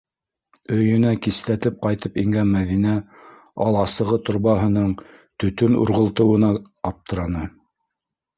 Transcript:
...Өйөнә кисләтеп ҡайтып ингән Мәҙинә аласығы торбаһының төтөн урғылтыуына аптыраны.